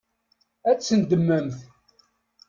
Ad tent-teddmemt?